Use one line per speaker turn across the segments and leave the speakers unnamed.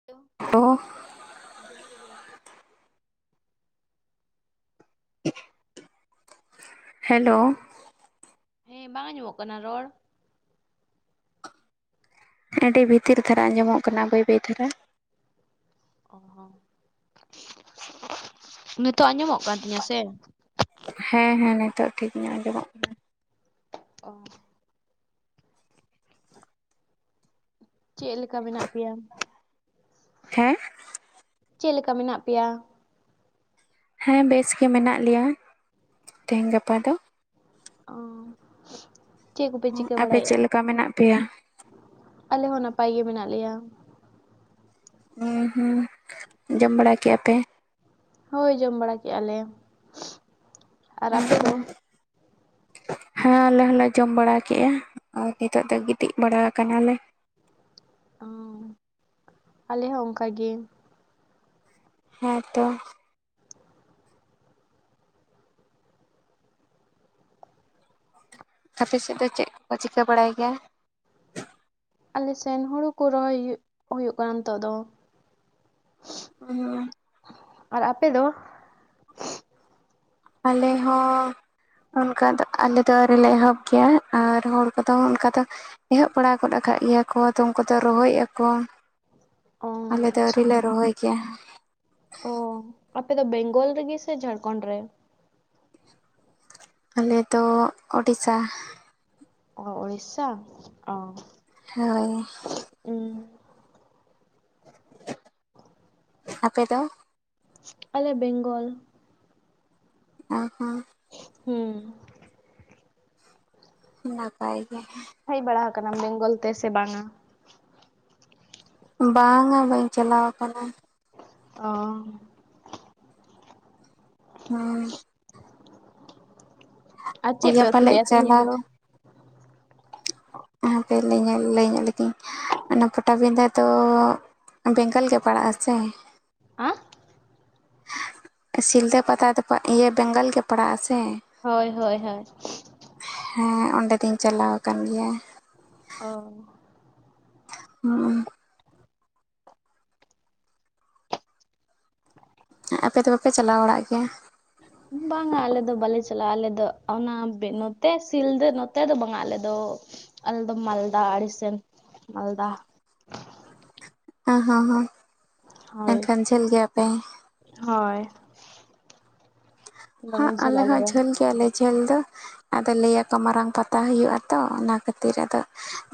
[unintelligible]
ᱚᱦ
ᱡᱚᱦᱟᱨ ᱜᱮ
[inaudible] ᱦᱮᱞᱳ
ᱦᱮᱸ ᱵᱟᱝ ᱟᱸᱡᱚᱢᱚᱜ ᱠᱟᱱᱟ ᱨᱚᱲ?
ᱟᱹᱰᱤ ᱵᱷᱤᱛᱤᱨ ᱫᱷᱟᱨᱟ ᱟᱸᱡᱚᱢᱚᱜ ᱠᱟᱱᱟ ᱵᱟᱹᱭ ᱵᱟᱹᱭ ᱫᱷᱟᱨᱟ
ᱚ ᱦᱚᱸ ᱱᱤᱛᱚᱜ ᱟᱸᱡᱚᱢᱚᱜ ᱠᱟᱱ ᱛᱤᱧᱟ ᱥᱮ?
ᱦᱮᱸ ᱦᱮᱸ ᱱᱤᱛᱚᱜ ᱴᱷᱤᱠ ᱧᱚᱜ ᱟᱸᱡᱚᱢᱚᱜ
ᱚ [unintelligible] ᱪᱮᱫ ᱞᱮᱠᱟ ᱢᱮᱱᱟᱜ ᱯᱮᱭᱟ?
ᱦᱮᱸ
ᱪᱮᱫ ᱞᱮᱠᱟ ᱢᱮᱱᱟᱜ ᱯᱮᱭᱟ?
ᱦᱮᱸ ᱵᱮᱥ ᱜᱮ ᱢᱮᱱᱟᱜ ᱞᱮᱭᱟ ᱛᱮᱦᱮᱧ ᱜᱟᱯᱟ ᱫᱚ
ᱚᱸ ᱪᱮᱫ ᱠᱚᱯᱮ ᱪᱤᱠᱟᱹ
ᱟᱯᱮ
ᱵᱟᱲᱟᱭᱮᱜᱼᱟ?
ᱪᱮᱫ ᱞᱮᱠᱟ ᱢᱮᱱᱟᱜ ᱯᱮᱭᱟ
ᱟᱞᱮ ᱦᱚᱸ ᱱᱟᱯᱟᱭ ᱜᱮ ᱢᱮᱱᱟᱜ ᱞᱮᱭᱟ
ᱦᱩᱸ ᱦᱩᱸ ᱡᱚᱢ ᱵᱟᱲᱟ ᱠᱮᱫᱼᱟ ᱯᱮ
ᱦᱳᱭ ᱡᱚᱢ ᱵᱟᱲᱟ ᱠᱮᱫᱼᱟ ᱞᱮ ᱟᱨ ᱟᱯᱮ ᱫᱚ?
[unintelligible] ᱦᱮᱸ ᱟᱞᱮ ᱦᱚᱸᱞᱮ ᱡᱚᱢ ᱵᱟᱲᱟᱠᱮᱜᱼᱟ ᱟᱨ ᱱᱤᱛᱳᱜ ᱫᱚ ᱜᱤᱛᱤᱡ ᱵᱟᱲᱟ ᱟᱠᱟᱱᱟᱞᱮ
ᱚᱣᱧ ᱟᱞᱮ ᱦᱚᱸ ᱚᱱᱠᱟ ᱜᱮ
ᱦᱮᱸᱛᱚ ᱟᱯᱮ ᱥᱮᱫ ᱫᱚ ᱪᱮᱫ ᱠᱚ ᱪᱤᱠᱟᱹ ᱵᱟᱲᱟᱭ ᱜᱮᱭᱟ?
ᱟᱞᱮ ᱥᱮᱱ ᱦᱩᱲᱩ ᱠᱩ ᱨᱚᱦᱚᱭ ᱦᱩᱭᱩᱜ ᱠᱟᱱᱟ ᱱᱤᱛᱳᱜ ᱫᱚ᱾
ᱦᱩᱸ᱾
ᱟᱨ ᱟᱯᱮ ᱫᱚ?
ᱟᱞᱮ ᱦᱚᱸ ᱚᱱᱠᱟ ᱫᱚ ᱟᱞᱮ ᱫᱚ ᱟᱹᱣᱨᱤ ᱞᱮ ᱮᱦᱚᱵ ᱜᱮᱭᱟ ᱟᱨ ᱦᱚᱲ ᱠᱚᱫᱚ ᱚᱱᱠᱟ ᱫᱚ ᱮᱦᱚᱵ ᱵᱟᱲᱟ ᱜᱚᱫ ᱟᱠᱟᱫ ᱜᱮᱭᱟ ᱠᱚ ᱛᱚ ᱩᱱᱠᱩᱫᱚ ᱨᱚᱦᱚᱭᱮᱫ ᱟᱠᱚ
ᱚ
ᱟᱞᱮ ᱫᱚ
ᱟᱪᱪᱷᱟ
ᱟᱹᱣᱨᱤᱞᱮ ᱨᱚᱦᱚᱭ ᱜᱮᱭᱟ᱾
ᱚ ᱟᱯᱮ ᱫᱚ ᱵᱮᱝᱜᱚᱞ ᱨᱮᱜᱮ ᱥᱮ ᱡᱷᱟᱲᱠᱷᱚᱱᱰ ᱨᱮ?
ᱟᱞᱮ ᱫᱚ ᱳᱰᱤᱥᱟ
ᱚ ᱩᱲᱤᱥᱟ ᱚ
ᱦᱳᱭ
ᱩᱸ [inaudible]
ᱟᱯᱮ ᱫᱚ?
ᱟᱞᱮ ᱵᱮᱝᱜᱚᱞ᱾
ᱚ ᱦᱚ᱾
ᱦᱩᱸ᱾
ᱱᱟᱯᱟᱭ ᱜᱮ᱾
ᱦᱮᱡ ᱵᱟᱲᱟᱣ ᱟᱠᱟᱱᱟᱢ ᱵᱮᱝᱜᱚᱞ ᱛᱮᱥᱮ ᱵᱟᱝᱟ?
ᱵᱟᱝᱟ ᱵᱟᱹᱧ ᱪᱟᱞᱟᱣ ᱟᱠᱟᱱᱟ᱾
ᱚ
ᱦᱩᱸ᱾
ᱟᱨ ᱪᱮᱫ ᱯᱮ
ᱤᱭᱟᱹ
ᱩᱛᱩ
ᱯᱟᱞᱮᱫ
ᱞᱮᱫᱟ ᱛᱮᱦᱮᱧ
ᱪᱟᱞᱟᱣ
ᱫᱚ?
ᱦᱟᱯᱮ ᱞᱟᱹᱭ ᱞᱟᱹᱭ ᱧᱚᱜ ᱞᱮᱜᱤᱧ ᱚᱱᱟ ᱯᱚᱴᱟᱵᱤᱰᱟᱹ ᱫᱚ ᱵᱮᱝᱜᱚᱞ ᱜᱮ ᱯᱟᱲᱟᱜᱼᱟ ᱥᱮ?
ᱦᱟᱸ
ᱥᱤᱞᱫᱟᱹ ᱯᱟᱛᱟ ᱫᱚ ᱤᱭᱟᱹ ᱵᱮᱝᱜᱚᱞ ᱜᱮ ᱯᱟᱲᱟᱜ-ᱟ ᱥᱮ?
ᱦᱳᱭ ᱦᱳᱭ ᱦᱳᱭ᱾
ᱦᱮᱸ ᱚᱸᱰᱮ ᱫᱚᱧ ᱪᱟᱞᱟᱣ ᱟᱠᱟᱱ ᱜᱮᱭᱟ᱾
ᱚ᱾
ᱦᱩᱸ᱾ ᱦᱮᱸ ᱟᱯᱮ ᱫᱚ ᱵᱟᱯᱮ ᱪᱟᱞᱟᱣ ᱵᱟᱲᱟᱜ ᱜᱮᱭᱟ?
ᱵᱟᱝᱟ ᱟᱞᱮ ᱫᱚ ᱵᱟᱞᱮ ᱪᱟᱞᱟᱜᱼᱟ᱾ ᱟᱞᱮ ᱫᱚ ᱚᱱᱟ ᱱᱚᱛᱮ ᱥᱤᱞᱫᱟᱹ ᱱᱚᱛᱮ ᱫᱚ ᱵᱟᱝᱟ ᱟᱞᱮ ᱫᱚ᱾ ᱟᱞᱮ ᱫᱚ ᱢᱟᱞᱫᱟ ᱟᱲᱮᱥᱮᱱ ᱢᱟᱞᱫᱟ᱾
ᱚ ᱦᱚᱸ
ᱦᱳᱭ
ᱮᱱᱠᱷᱟᱱ ᱡᱷᱟᱹᱞ ᱜᱮᱭᱟᱯᱮ?
ᱦᱳᱭ᱾
ᱦᱮ
ᱫᱚᱢᱮ ᱡᱷᱟᱹᱞ
ᱟᱞᱮ ᱦᱚᱸᱜ
ᱫᱚ
ᱡᱷᱟᱹᱞ ᱜᱮᱭᱟᱞᱮ᱾ ᱡᱷᱟᱹᱞ ᱫᱚ, ᱟᱫᱚ ᱞᱟᱹᱭᱟᱠᱚ ᱢᱟᱨᱟᱝ ᱯᱟᱛᱟ ᱦᱩᱭᱩᱜᱼᱟ ᱛᱚ ᱚᱱᱟ ᱠᱷᱟᱹᱛᱤᱨ ᱟᱫᱚ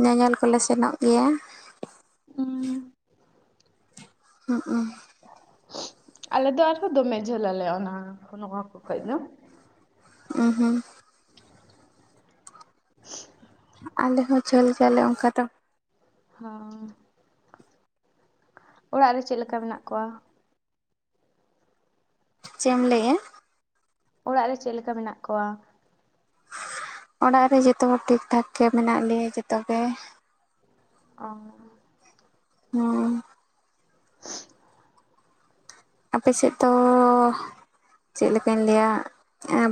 ᱧᱮᱧᱮᱞ ᱠᱚ ᱠᱚᱞᱮ ᱥᱮᱱᱚᱜ ᱜᱮᱭᱟ᱾
ᱦᱚᱸ᱾
[inaudible]
ᱟᱞᱮ ᱫᱚ ᱟᱨᱦᱚᱸ ᱫᱚᱢᱮ ᱡᱷᱟᱹᱞ ᱟᱞᱮ ᱚᱱᱟ ᱱᱚᱣᱟ ᱠᱚ ᱠᱷᱚᱡᱽ ᱫᱚ
ᱩᱸ ᱦᱩᱸ᱾
[inaudible]
ᱟᱞᱮ ᱦᱚᱸ ᱡᱷᱟᱹᱞ ᱜᱮᱭᱟᱞᱮ ᱚᱱᱠᱟ ᱫᱚ᱾
ᱚ᱾ ᱚᱲᱟᱜ ᱨᱮ ᱪᱮᱫ ᱞᱮᱠᱟ ᱢᱮᱱᱟᱜ ᱠᱚᱣᱟ?
ᱪᱮᱫ ᱮᱢ ᱞᱟᱹᱭᱮᱜᱼᱟ?
ᱚᱲᱟᱜ ᱨᱮ ᱪᱮᱫ ᱞᱮᱠᱟ ᱢᱮᱱᱟᱜ ᱠᱚᱣᱟ?
ᱚᱲᱟᱜ ᱨᱮ ᱡᱚᱛᱚ ᱦᱚᱲ ᱴᱷᱤᱠ ᱴᱷᱟᱠ ᱜᱮ ᱢᱮᱱᱟᱜ ᱞᱮᱭᱟ ᱡᱚᱛᱚ ᱜᱮ᱾
ᱚ᱾
ᱦᱩᱸ
[inaudible]
ᱟᱯᱮᱥᱮᱫ ᱫᱚ ᱪᱮᱫ ᱞᱮᱠᱟᱧ ᱞᱟᱹᱭᱟ,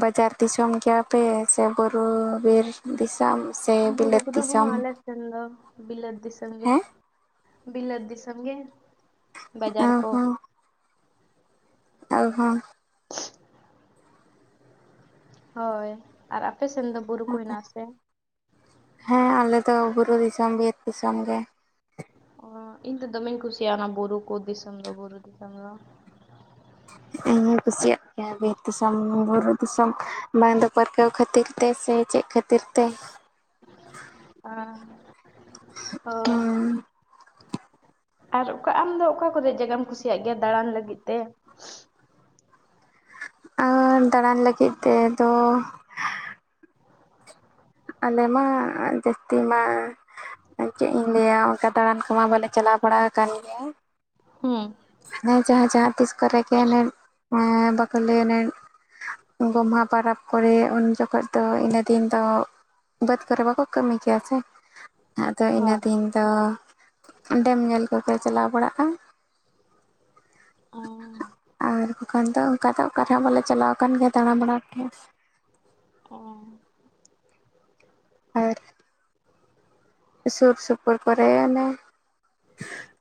ᱵᱟᱡᱟᱨ ᱫᱤᱥᱚᱢ ᱜᱮᱭᱟᱯᱮ ᱥᱮ ᱵᱩᱨᱩ ᱵᱤᱨ? ᱫᱤᱥᱚᱢ ᱥᱮ
ᱵᱩᱨᱩ
ᱵᱤᱞᱟᱹᱛ
ᱠᱚᱫᱚ
ᱫᱤᱥᱚᱢ
ᱵᱟᱹᱱᱩᱜ-ᱟ ᱟᱞᱮ ᱥᱮᱱ ᱫᱚ ᱵᱤᱞᱟᱹᱛ ᱫᱤᱥᱚᱢ ᱜᱮ᱾
ᱦᱮᱸ
ᱵᱤᱞᱟᱹᱚᱛ ᱫᱤᱥᱚᱢ ᱜᱮ᱾
ᱚ
ᱵᱟᱡᱟᱨ ᱠᱚ,
ᱟᱞᱮ ᱦᱚᱸ᱾
ᱦᱳᱭ᱾ ᱟᱨ ᱟᱯᱮ ᱥᱮᱱ ᱫᱚ ᱵᱩᱨᱩ ᱠᱚ ᱦᱮᱱᱟᱜ ᱟᱥᱮ?
ᱦᱮᱸ ᱟᱞᱮ ᱫᱚ ᱵᱩᱨᱩ ᱫᱤᱥᱚᱢ, ᱵᱤᱨ ᱫᱤᱥᱚᱢ ᱜᱮ᱾
ᱚ ᱤᱧ ᱫᱚ ᱫᱚᱢᱮᱧ ᱠᱩᱥᱤᱭᱟᱜᱼᱟ᱾ ᱚᱱᱟ ᱵᱩᱨᱩ ᱠᱚ ᱫᱤᱥᱚᱢ ᱫᱚ ᱵᱩᱨᱩ ᱫᱤᱥᱚᱢ ᱫᱚ᱾
ᱤᱧ ᱦᱚᱧ ᱠᱩᱥᱤᱭᱟᱜ ᱜᱮᱭᱟ ᱵᱤᱨ ᱫᱤᱥᱚᱢ ᱵᱩᱨᱩ ᱫᱤᱥᱚᱢ ᱵᱟᱝᱫᱚ ᱯᱟᱹᱨᱠᱟᱹᱣ ᱠᱷᱟᱹᱛᱤᱨ ᱛᱮ ᱥᱮ ᱪᱮᱫ ᱠᱷᱟᱹᱛᱤᱨ ᱛᱮ?
ᱚ ᱦᱳ
ᱦᱩᱸ
ᱟᱨ ᱚᱠᱟ ᱟᱢ ᱫᱚ ᱚᱠᱟ ᱠᱚᱨᱮ ᱡᱟᱭᱜᱟᱢ ᱠᱩᱥᱤᱭᱟᱜ ᱜᱮᱭᱟ ᱫᱟᱬᱟᱱ ᱞᱟᱹᱜᱤᱫ ᱛᱮ
ᱟᱨ ᱫᱟᱬᱟᱱ ᱞᱟᱹᱜᱤᱫ ᱛᱮᱫᱚ ᱟᱞᱮ ᱢᱟ ᱡᱟᱹᱥᱛᱤ ᱢᱟ ᱪᱮᱫ ᱤᱧ ᱞᱟᱹᱭᱟ ᱚᱱᱠᱟ ᱫᱟᱬᱟᱱ ᱠᱚᱢᱟ ᱵᱟᱞᱮ ᱪᱟᱞᱟᱣ ᱵᱟᱲᱟ ᱟᱠᱟᱱ ᱜᱮᱭᱟ
ᱦᱮᱸ
ᱦᱮᱸ ᱡᱟᱦᱟᱸ ᱡᱟᱦᱟᱸ ᱛᱤᱥ ᱠᱚᱨᱮ ᱜᱮᱱᱮᱡ [unintelligible] ᱵᱟᱠᱚ ᱞᱟᱹᱭᱟᱱ ᱜᱳᱚᱢᱦᱟ ᱯᱚᱨᱚᱵᱵᱽ ᱠᱚᱨᱮ ᱩᱱ ᱡᱚᱠᱷᱚᱱ ᱫᱚ ᱤᱱᱟᱹ ᱫᱤᱱ ᱫᱚ ᱵᱟᱹᱫᱽ ᱠᱚᱨᱮ ᱵᱟᱠᱚ ᱠᱟᱹᱢᱤ ᱜᱮᱭᱟ ᱥᱮ ᱟᱫᱚ ᱤᱱᱟᱹ
ᱦᱚᱸ
ᱫᱤᱱ ᱛᱚ ᱚᱸᱰᱮᱢ ᱧᱮᱞ ᱠᱚᱯᱮ ᱪᱟᱞᱟᱣ ᱵᱟᱲᱟᱜᱼᱟ
ᱚ
ᱟᱨ ᱵᱟᱠᱷᱟᱱ ᱫᱚ ᱚᱱᱠᱟ ᱫᱚ ᱚᱠᱟ ᱨᱮᱦᱚᱸ ᱵᱟᱞᱮ ᱪᱟᱞᱟᱣ ᱟᱠᱟᱱ ᱜᱮᱭᱟ ᱫᱟᱬᱟ ᱵᱟᱲᱟ ᱫᱚ
ᱚ
ᱟᱨ ᱥᱩᱨ ᱥᱩᱯᱩᱨ ᱠᱚᱨᱮ ᱚᱱᱮ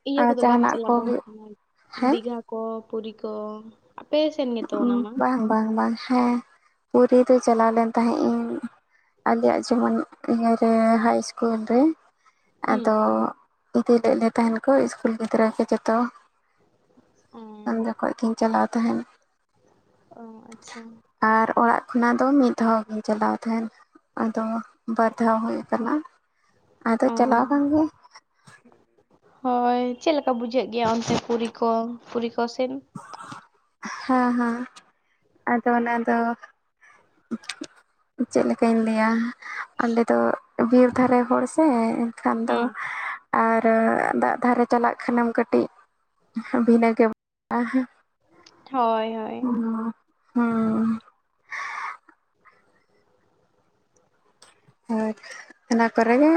ᱤᱭᱟᱹ
ᱟᱨ
ᱠᱚᱫᱚ ᱵᱟᱢ
ᱡᱟᱦᱟᱱᱟᱜ
ᱪᱟᱞᱟᱣ
ᱠᱚ
ᱵᱟᱲᱟ
ᱦᱩᱭᱩᱜ
ᱠᱟᱱᱟ
ᱦᱮᱸ
ᱫᱤᱜᱷᱟ ᱠᱚ ᱯᱩᱨᱤ ᱠᱚ ᱟᱯᱮ ᱥᱮᱱ ᱜᱮᱛᱚ ᱚᱱᱟ ᱢᱟ
ᱵᱟᱝ ᱵᱟᱝ ᱵᱟᱝ ᱦᱮᱸ ᱯᱩᱨᱤ ᱫᱚ ᱪᱟᱞᱟᱣ ᱞᱮᱱ ᱛᱟᱦᱮᱸᱫ ᱤᱧ ᱟᱞᱮᱭᱟᱜ ᱡᱮᱢᱚᱱ ᱤᱭᱟᱹᱨᱮ ᱦᱟᱭ ᱤᱥᱠᱩᱞ ᱨᱮ
ᱦᱩᱸ?
ᱟᱫᱚ ᱤᱫᱤ ᱞᱮᱫ ᱞᱮ ᱛᱟᱦᱮᱱ ᱠᱚ ᱤᱥᱠᱩᱞ ᱜᱤᱫᱽᱨᱟᱹ ᱠᱚ ᱡᱚᱛᱚ
ᱚ
[inaudible] ᱚᱸ ᱡᱚᱠᱷᱚᱡ ᱜᱤᱧ ᱪᱟᱞᱟᱣ ᱛᱟᱦᱮᱱ
ᱚ ᱟᱪᱷᱟ
ᱟᱨ ᱚᱲᱟᱜ ᱠᱷᱚᱱᱟᱜ ᱫᱚ ᱢᱤᱫ ᱫᱷᱟᱣ ᱜᱤᱧ ᱪᱟᱞᱟᱣ ᱛᱟᱦᱮᱱ ᱟᱫᱚ ᱵᱟᱨ ᱫᱷᱟᱣ ᱦᱩᱭ ᱟᱠᱟᱱᱟ ᱟᱫᱚ ᱪᱟᱞᱟᱣ ᱠᱟᱱ ᱜᱮ
ᱚ ᱦᱳᱭ ᱪᱮᱫ ᱞᱮᱠᱟ ᱵᱩᱡᱷᱟᱹᱜ ᱜᱮᱭᱟ ᱚᱱᱛᱮ ᱯᱩᱨᱤ ᱠᱚ ᱯᱩᱨᱤ ᱠᱚ ᱥᱮᱫ
ᱦᱮᱸ ᱦᱮᱸ ᱟᱫᱚ ᱚᱱᱟ ᱫᱚ ᱪᱮᱫᱮᱠᱟᱧ ᱞᱟᱹᱭᱟ ᱟᱞᱮ ᱫᱚ ᱵᱤᱨ ᱫᱷᱟᱨᱮ ᱦᱚᱲ ᱥᱮ ᱮᱱᱠᱷᱟᱱ ᱫᱚ
ᱦᱩᱸ
ᱟᱨ ᱫᱟᱜ ᱫᱷᱟᱨᱮ ᱪᱟᱞᱟᱜ ᱠᱷᱟᱱᱮᱢ ᱠᱟᱹᱴᱤᱡ ᱵᱷᱤᱱᱟᱹ [unintelligible] ᱜᱮᱢ
ᱦᱳᱭ ᱦᱳᱭ
ᱦᱮᱸ [inaudible] ᱦᱳᱭ ᱚᱱᱟ ᱠᱚᱨᱮ ᱜᱮ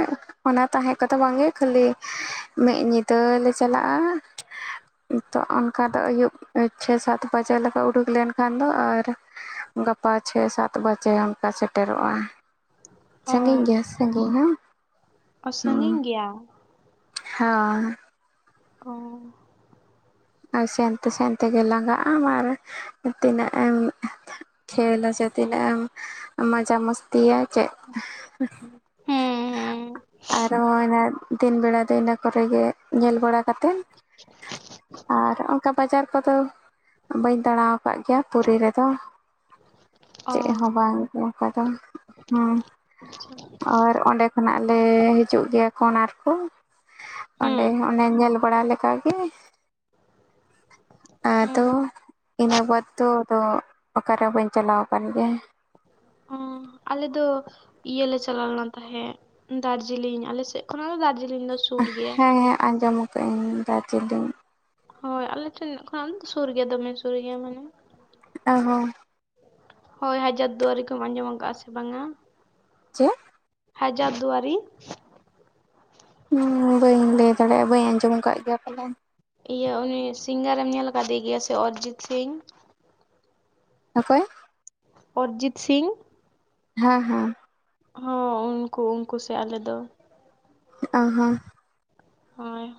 ᱚᱱᱟ ᱛᱟᱦᱮᱸ ᱠᱚᱫᱚ ᱵᱟᱝᱜᱮ ᱠᱷᱟᱹᱞᱤ ᱢᱤᱫ ᱧᱤᱫᱟᱹᱞ ᱞᱮ ᱪᱟᱞᱟᱜᱼᱟ ᱛᱚ ᱚᱱᱠᱟ ᱫᱚ ᱟᱹᱭᱩᱵ ᱪᱷᱚᱭ ᱥᱟᱛ ᱵᱟᱡᱮ ᱞᱮᱠᱟ ᱩᱰᱩᱠ ᱞᱮᱱᱠᱷᱟᱱ ᱫᱚ ᱟᱨ ᱜᱟᱯᱟ ᱪᱷᱮᱭ ᱥᱟᱛ ᱵᱟᱡᱮ ᱚᱱᱠᱟ ᱥᱮᱴᱮᱨᱚᱜᱼᱟ
ᱚ
ᱥᱟᱺᱜᱤᱧ ᱜᱮᱭᱟ ᱥᱟᱺᱜᱤᱧ ᱦᱚᱸ
ᱚ ᱥᱟᱺᱜᱤᱧ ᱜᱮᱭᱟ
ᱦᱚ
ᱚ
ᱟᱨ ᱥᱮᱱᱛᱮ ᱥᱮᱱ ᱛᱮᱜᱮᱢ ᱞᱟᱸᱟᱜᱼᱟᱢ ᱟᱨ ᱛᱤᱱᱟᱹᱜ ᱮᱢ ᱠᱷᱮᱞ ᱟᱥᱮ ᱛᱤᱱᱟᱹᱜ ᱮᱢ ᱢᱟᱡᱟ ᱢᱚᱥᱛᱤᱭᱟ ᱪᱮᱫ
ᱦᱮᱸ ᱦᱮᱸ
ᱟᱨᱚ ᱚᱱᱟ ᱫᱤᱱ ᱵᱮᱲᱟ ᱫᱚ ᱤᱱᱟᱹ ᱠᱚᱨᱮ ᱜᱮ ᱧᱮᱞ ᱵᱟᱲᱟ ᱠᱟᱛᱮᱫ ᱟᱨ ᱚᱱᱠᱟ ᱵᱟᱡᱟᱨ ᱠᱚᱫᱚ ᱵᱟᱹᱧ ᱫᱟᱬᱟ ᱟᱠᱟᱫ ᱜᱮᱭᱟ ᱯᱩᱨᱤ ᱨᱮᱫᱚ
ᱚ
ᱪᱮᱫ ᱦᱚᱸ ᱵᱟᱝ ᱠᱟᱛ ᱦᱚᱸ ᱟᱨ ᱚᱸᱰᱮ ᱠᱷᱚᱱᱟᱜ ᱞᱮ ᱦᱤᱡᱩᱜ ᱜᱮᱭᱟ ᱠᱚᱨ ᱠᱚ
ᱦᱩᱸ
ᱚᱸᱰᱮ ᱚᱱᱮ ᱧᱮᱞ ᱵᱟᱲᱟ ᱞᱮᱠᱟᱜ ᱜᱮ
ᱚ
ᱟᱫᱚ ᱤᱱᱟᱹ ᱵᱟᱫᱽ ᱫᱚ ᱟᱫᱚ ᱚᱠᱟᱨᱮᱚᱸ ᱵᱟᱹᱧ ᱪᱟᱞᱟᱣ ᱟᱠᱟᱱ ᱜᱮᱭᱟ
ᱦᱸ ᱟᱞᱮ ᱫᱚ ᱤᱭᱟᱹ ᱞᱮ ᱪᱟᱞᱟᱣ ᱞᱮᱱ ᱛᱟᱦᱮᱸᱫ ᱫᱟᱨᱡᱤᱞᱤᱧ ᱟᱞᱮᱥᱮᱫ ᱠᱷᱚᱱᱟᱜ ᱫᱚ ᱫᱟᱨᱡᱤᱞᱤᱧ ᱫᱚ ᱥᱩᱨ ᱜᱮᱭᱟ
ᱦᱮᱸ ᱟᱸᱡᱚᱢ ᱟᱠᱟᱫ ᱟᱹᱧ ᱫᱟᱨᱡᱤᱞᱤᱝ
ᱦᱳᱭ ᱟᱞᱮ ᱴᱷᱮᱱ ᱠᱷᱚᱱ ᱫᱚ ᱥᱩᱨ ᱜᱮᱭᱟ ᱫᱚᱢᱮ ᱥᱩᱨ ᱜᱮᱭᱟ ᱢᱟᱱᱮ
ᱚ ᱦᱚᱸ
ᱦᱳᱭ ᱦᱟᱡᱟᱨ ᱫᱩᱣᱟᱨᱤ ᱠᱚᱢ ᱟᱸᱡᱚᱢ ᱟᱠᱟᱜᱼᱟ ᱥᱮ ᱵᱟᱝᱟ
ᱪᱮᱫ
ᱦᱟᱡᱟᱨ ᱫᱩᱣᱟᱨᱤ
ᱦᱸ ᱵᱟᱹᱧ ᱞᱟᱹᱭ ᱫᱟᱲᱮᱭᱟᱜᱼᱟ ᱵᱟᱹᱧ ᱟᱸᱡᱚᱢ ᱟᱠᱟᱫ ᱜᱮᱭᱟ ᱯᱟᱞᱮᱱ
ᱤᱭᱟᱹ ᱩᱱᱤ ᱥᱤᱝᱜᱟᱨᱮᱢ ᱧᱮᱞ ᱟᱠᱟᱫᱮ ᱜᱮᱭᱟ ᱥᱮ ᱚᱨᱤᱡᱤᱛ ᱥᱤᱝ
ᱚᱠᱚᱭ
ᱚᱨᱤᱡᱤᱛ ᱥᱤᱝ
ᱦᱮᱸ ᱦᱮᱸ
ᱦᱚᱸ ᱩᱱᱠᱩ ᱩᱱᱠᱩ ᱥᱮ ᱟᱞᱮ ᱫᱚ
ᱚ ᱦᱸ
ᱦᱳᱭ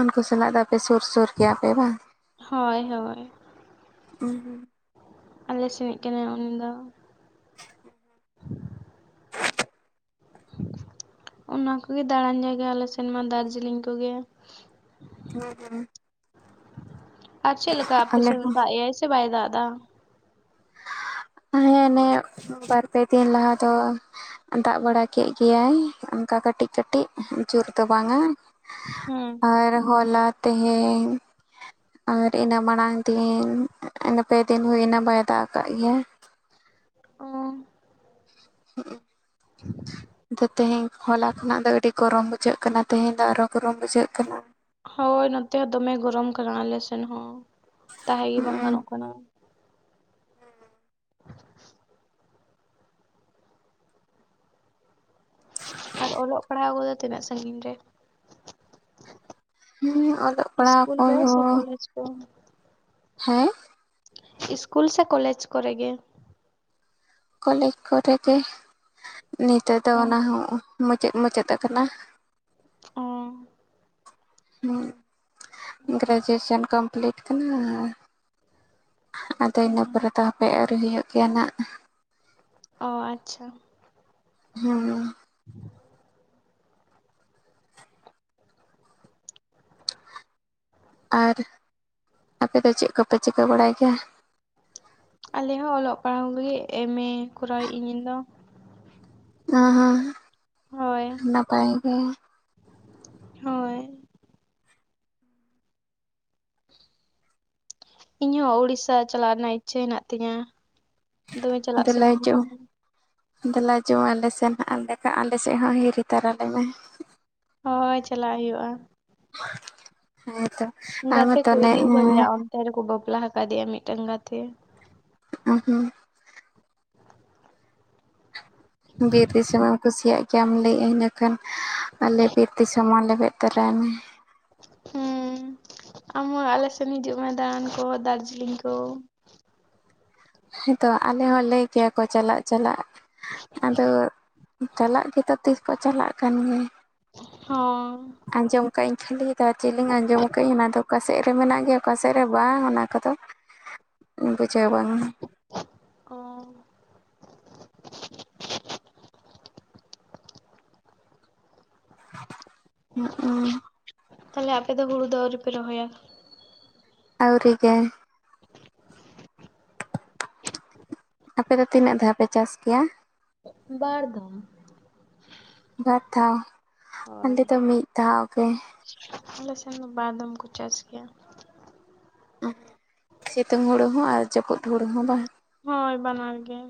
ᱩᱱᱠᱩ ᱥᱟᱞᱟᱜ ᱫᱚ ᱟᱯᱮ ᱥᱩᱨ ᱥᱩᱨ ᱜᱮᱭᱟᱯᱮ ᱵᱟᱝ
ᱦᱳᱭ ᱦᱳᱭ
ᱦᱩ
ᱟᱞᱮ ᱥᱮᱱᱤᱡ ᱠᱟᱱᱟᱭ ᱩᱱᱤ ᱫᱚ ᱚᱱᱟ ᱠᱚᱜᱮ ᱫᱟᱬᱟᱱ ᱡᱟᱭᱜᱟ ᱟᱞᱮ ᱥᱮᱱ ᱢᱟ ᱫᱟᱨᱡᱤᱞᱤᱧ ᱠᱚᱜᱮ
[unintelligible]
ᱟᱨ ᱪᱮᱫ ᱞᱮᱠᱟ ᱟᱯᱮ
ᱟᱞᱮ
ᱥᱮᱫ ᱫᱚ
ᱦᱚᱸ
ᱫᱟᱜᱽᱮᱜᱟᱭ ᱥᱮ ᱵᱟᱭ ᱫᱟᱜᱽ ᱮᱫᱟ
ᱦᱮ ᱱᱮᱜᱮ ᱵᱟᱨᱯᱮ ᱫᱤᱱ ᱞᱟᱦᱟ ᱫᱚ ᱫᱟᱜ ᱵᱟᱲᱟ ᱠᱮᱫ ᱜᱮᱭᱟᱭ ᱚᱱᱠᱟ ᱠᱟᱹᱴᱤᱡ ᱠᱟᱹᱴᱤᱡ ᱡᱳᱨ ᱫᱚ ᱵᱟᱝᱼᱟ
ᱦᱮᱸ
ᱟᱨ ᱦᱚᱞᱟ ᱛᱮᱦᱮᱧ ᱟᱨ ᱤᱱᱟᱹ ᱢᱟᱲᱟᱝ ᱫᱤᱱ ᱤᱱᱟᱹ ᱯᱮ ᱫᱤᱱ ᱦᱩᱭᱱᱟᱹ ᱵᱟᱭ ᱫᱟᱜ ᱟᱠᱟᱫ ᱜᱮᱭᱟ
ᱚ
[inaudible] ᱛᱮᱦᱮᱧ ᱦᱚᱞᱟ ᱠᱷᱚᱱᱟᱜ ᱫᱚ ᱟᱹᱰᱤ ᱜᱚᱨᱚᱢ ᱜᱮ ᱵᱩᱡᱷᱟᱹᱜ ᱠᱟᱱᱟ ᱛᱮᱦᱮᱧ ᱫᱚ ᱟᱨᱚ ᱜᱩᱨᱩᱢ ᱵᱩᱡᱷᱟᱹᱜ ᱠᱟᱱᱟ
ᱦᱳᱭ ᱱᱚᱛᱮ ᱦᱚᱸ ᱫᱚᱢᱮ ᱜᱚᱨᱚᱢ ᱠᱟᱱᱟ ᱟᱞ ᱥᱮᱱ ᱦᱚᱸ ᱛᱟᱦᱮᱸ ᱜᱮ ᱵᱟᱝ
ᱦᱩᱸ
ᱜᱟᱱᱚᱜ ᱠᱟᱱᱟ [inaudible] ᱟᱨ ᱚᱞᱚᱜ ᱯᱟᱲᱦᱟᱣ ᱠᱚᱫᱚ ᱛᱤᱱᱟᱹᱜ ᱥᱟᱺᱜᱤᱧ ᱨᱮ
ᱦᱩᱸ ᱚᱞᱚᱜ ᱯᱟᱲᱦᱟᱜ
ᱤᱥᱠᱩᱞ ᱨᱮ ᱥᱮ
ᱠᱚᱦᱚᱸ
ᱠᱚᱞᱮᱡᱽ ᱠᱚ
ᱦᱮᱸ
ᱤᱥᱠᱩᱞ ᱥᱮ ᱠᱚᱞᱮᱡᱽ ᱠᱚᱨᱮ ᱜᱮ
ᱠᱚᱞᱮᱡᱽ ᱠᱚᱨᱮᱜ ᱜᱮ ᱱᱤᱛᱚᱜ ᱫᱚ ᱚᱱᱟ ᱦᱚᱸ ᱢᱩᱪᱟᱹᱫ ᱢᱩᱪᱟᱹᱫ ᱟᱠᱟᱱᱟ
ᱚ
ᱦᱩ ᱜᱮᱨᱮᱡᱩᱭᱮᱥᱚᱱ ᱠᱚᱢᱯᱞᱤᱴ ᱠᱟᱱᱟ ᱟᱨ ᱟᱫᱚ ᱤᱱᱟᱹ
ᱦᱩᱸ
ᱯᱚᱨᱮ ᱫᱚ ᱦᱟᱯᱮ ᱟᱹᱣᱨᱤ ᱦᱩᱭᱩᱜ ᱜᱮᱭᱟ ᱱᱷᱟᱜ
ᱚ ᱟᱪᱪᱷᱟ
ᱦᱩᱸ
[inaudible]
ᱟᱨ ᱟᱯᱮᱫᱚ ᱪᱮᱫ ᱠᱚᱯᱮ ᱪᱤᱠᱟᱹ ᱵᱟᱲᱟᱭ ᱜᱮᱭᱟ
ᱟᱞᱮ ᱦᱚᱸ ᱚᱞᱚᱜ ᱯᱟᱲᱦᱟᱣ ᱞᱟᱹᱜᱤᱫ ᱮᱢᱮ ᱠᱚᱨᱟᱣᱮᱫᱤᱧ ᱤᱧ ᱫᱚ
ᱦᱩᱸ ᱦᱩᱸ
ᱦᱳᱭ
ᱱᱟᱯᱟᱭ ᱜᱮ
ᱦᱳᱭ ᱤᱧ ᱦᱚᱸ ᱩᱲᱤᱥᱥᱟ ᱪᱟᱞᱟᱜ ᱨᱮᱱᱟᱜ ᱤᱪᱪᱷᱟᱹ ᱦᱮᱱᱟᱜ ᱛᱤᱧᱟᱹ ᱫᱚᱢᱮ ᱪᱟᱞᱟᱜ
ᱫᱮᱞᱟ ᱦᱟᱡᱩᱜ
ᱥᱟᱱᱟᱧᱟ
ᱢᱮ ᱫᱮᱞᱟ ᱦᱤᱡᱩᱜ ᱢᱮ ᱟᱞᱮ ᱥᱮᱱ ᱦᱟᱸᱜ ᱮᱸᱰᱮᱠᱠᱷᱟᱱ ᱟᱞᱮ ᱥᱮᱫ ᱦᱚᱸ ᱦᱤᱨᱤ ᱛᱟᱨᱟ ᱞᱮᱢᱮ
ᱦᱚᱭ ᱪᱟᱞᱟᱜ ᱦᱩᱭᱩᱜᱼᱟ
[inaudible] ᱦᱮᱸ ᱛᱚ
ᱜᱟᱛᱮ ᱠᱚ ᱤᱫᱤ ᱟᱠᱟᱣ ᱫᱮᱭᱟ ᱚᱱᱛᱮ ᱨᱮᱠᱚ ᱵᱟᱯᱞᱟ ᱦᱟᱠᱟᱫᱮᱭᱟ ᱢᱤᱫᱴᱮᱱ ᱜᱟᱛᱮ
ᱩᱸ ᱦᱩᱸ ᱵᱤᱨ ᱫᱤᱥᱚᱢ ᱮᱢ ᱠᱩᱥᱤᱭᱟᱜ ᱜᱮᱭᱟ ᱞᱟᱹᱭᱮᱜ ᱤᱱᱟᱹ ᱠᱷᱟᱱ ᱟᱞᱮ ᱵᱤᱨ ᱫᱤᱥᱚᱢ ᱢᱟ ᱞᱮᱵᱮᱫ ᱛᱚᱨᱟᱭ ᱢᱮ
ᱦᱩᱸ ᱟᱢ ᱦᱚᱸ ᱟᱞᱮ ᱥᱮᱱ ᱦᱤᱡᱩᱜ ᱢᱮ ᱫᱟᱬᱟᱱ ᱠᱚ ᱫᱟᱨᱡᱤᱞᱤᱝ ᱠᱚ
ᱦᱮᱸ ᱛᱚ ᱟᱞᱮ ᱦᱚᱸ ᱞᱟᱹᱭ ᱠᱮᱭᱟ ᱠᱚ ᱪᱟᱞᱟᱜ ᱪᱟᱞᱟᱜ ᱟᱫᱚ ᱪᱟᱞᱟᱜ ᱜᱮᱛᱚ ᱛᱤᱥ ᱠᱚ ᱪᱟᱞᱟᱜ ᱠᱟᱱ ᱜᱮ
ᱦᱚᱸ
ᱟᱸᱡᱚᱢ ᱠᱟᱜ ᱤᱧ ᱠᱷᱟᱹᱞᱤ ᱫᱟ ᱪᱮ ᱞᱤᱧ ᱟᱸᱡᱚᱢ ᱠᱟᱜ ᱤᱧ ᱚᱱᱟ ᱫᱚ ᱚᱠᱟ ᱥᱮᱫ ᱨᱮ ᱢᱮᱱᱟᱜ ᱜᱮᱭᱟ ᱚᱠᱟ ᱥᱮᱫ ᱨᱮ ᱵᱟᱝ ᱚᱱᱟ ᱠᱚᱫᱚ ᱵᱩᱡᱷᱟᱹᱣ ᱵᱟᱝ
ᱚ
[inaudible] ᱦᱩᱸᱜ ᱩᱸ
ᱛᱟᱦᱚᱞᱮ ᱟᱯᱮ ᱫᱚ ᱦᱩᱲᱩ ᱫᱚ ᱟᱹᱣᱨᱤ ᱯᱮ ᱨᱚᱦᱚᱭᱟ
ᱟᱹᱣᱨᱤ ᱜᱮ ᱟᱯᱮ ᱫᱚ ᱛᱤᱱᱟᱹᱜ ᱫᱷᱟᱣ ᱯᱮ ᱪᱟᱥ ᱠᱮᱭᱟ
ᱵᱟᱨ ᱫᱷᱚᱢ
ᱵᱟᱨ ᱫᱷᱟᱣ
ᱦᱳᱭ
ᱟᱞᱮ ᱫᱚ ᱢᱤᱫ ᱫᱷᱟᱣ ᱜᱮ
ᱟᱞᱮ ᱥᱮᱱ ᱫᱚ ᱵᱟᱨ ᱫᱷᱚᱢ ᱠᱚ ᱪᱟᱥ ᱜᱮᱭᱟ
ᱥᱤᱛᱩᱝ ᱦᱩᱲᱩ ᱦᱚᱸ ᱟᱨ ᱡᱟᱹᱯᱩᱫ ᱦᱩᱲᱩ ᱦᱚᱸ ᱵᱟᱝ
ᱦᱳᱭ ᱵᱟᱱᱟᱨ ᱜᱮ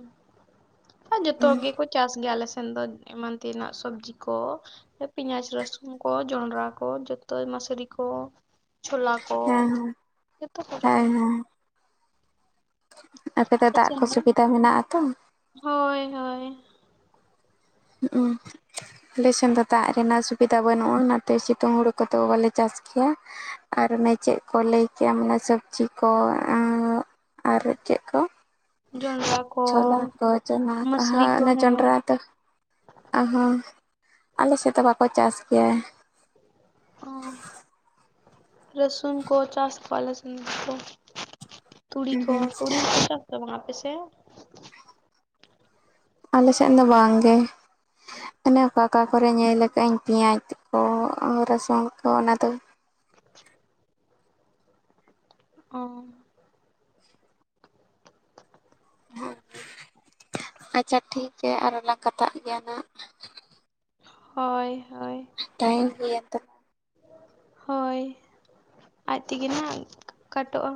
ᱡᱚᱛᱚ ᱜᱮᱠᱚ ᱪᱟᱥ ᱜᱮᱭᱟᱞᱮ ᱟᱞᱮ ᱥᱮᱱ ᱫᱚ ᱮᱢᱟᱱ ᱛᱮᱱᱟᱜ ᱥᱚᱵᱽᱡᱤ ᱠᱚ ᱯᱮᱸᱭᱟᱡᱽ ᱨᱟᱹᱥᱩᱱ ᱠᱚ ᱡᱚᱱᱰᱨᱟ ᱠᱚ ᱡᱚᱛᱚ ᱢᱟᱥᱨᱤ ᱠᱚ ᱪᱷᱚᱞᱟ ᱠᱚ
ᱦᱮᱸ ᱦᱮᱸ
ᱡᱚᱛᱚ ᱠᱚ ᱨᱚᱦᱚᱭᱟ
ᱦᱮᱸ ᱦᱮᱸ ᱟᱯᱮ ᱫᱚ ᱫᱟᱜ ᱠᱚ ᱥᱩᱵᱤᱫᱟ ᱢᱮᱱᱟᱜ ᱟᱛᱚ
ᱦᱳᱭ ᱦᱳᱭ
ᱦᱩᱸᱜ ᱩᱸ ᱟᱞᱮ ᱥᱮᱱ ᱫᱚ ᱫᱟᱜ ᱨᱮᱱᱟᱜ ᱥᱩᱵᱤᱫᱷᱟ ᱵᱟᱹᱱᱩᱜᱼᱟ ᱚᱱᱟᱛᱮ ᱥᱤᱛᱩᱝ ᱦᱩᱲᱩ ᱠᱚᱫᱚ ᱵᱟᱞᱮ ᱪᱟᱥ ᱜᱮᱭᱟ ᱟᱨ ᱚᱱᱮ ᱪᱮᱫ ᱠᱚ ᱞᱟᱹᱭ ᱠᱮᱭᱟᱢ ᱚᱱᱟ ᱥᱚᱵᱽᱡᱤ ᱠᱚ ᱟᱨ ᱪᱮᱫ ᱠᱚ
ᱡᱚᱱᱰᱨᱟ ᱠᱚ
ᱪᱷᱚᱞᱟ ᱠᱚ ᱪᱷᱚᱞᱟ ᱟᱛᱟ ᱦᱟᱸ ᱚᱱᱟ ᱡᱚᱱᱰᱨᱟ ᱟᱛᱟ ᱚ ᱦᱚᱸ ᱟᱞᱮ ᱥᱮᱫ ᱫᱚ ᱵᱟᱠᱚ ᱪᱟᱥ ᱜᱮᱭᱟ
ᱚᱸ ᱨᱚᱥᱩᱱ ᱠᱚ ᱪᱟᱥ ᱟᱞᱮᱥᱮᱱ ᱫᱚ [inaudible] ᱛᱩᱲᱤ ᱠᱚ ᱛᱩᱲᱤ [inaudible] ᱪᱟᱥ ᱛᱟᱵᱚᱱᱟ ᱟᱯᱮ ᱥᱮᱪ
ᱟᱞᱮ ᱥᱮᱱ ᱫᱚ ᱵᱟᱝ ᱜᱮ ᱛᱟᱦᱚᱞᱮ ᱚᱠᱟ ᱚᱠᱟ ᱠᱚᱨᱮ ᱧᱮᱞ ᱟᱠᱟᱜᱼᱟᱹᱧ ᱯᱮᱸᱭᱟᱡᱽ ᱠᱚ ᱨᱟᱹᱥᱩᱱ ᱠᱚ ᱚᱱᱟ ᱫᱚ
ᱚᱸ
ᱟᱪᱪᱷᱟ ᱴᱷᱤᱠ ᱜᱮᱭᱟ ᱟᱨᱚ ᱞᱟᱝ ᱠᱟᱛᱷᱟᱜ ᱜᱮᱭᱟ ᱱᱟᱜ
ᱦᱚᱭ ᱦᱚᱭ
ᱛᱟᱸᱦᱮᱱ ᱜᱮᱭᱟ ᱛᱚ
ᱦᱳᱭ ᱟᱡ ᱛᱮᱜᱮ ᱱᱟᱦᱟᱜ ᱠᱟᱴᱚ ᱟ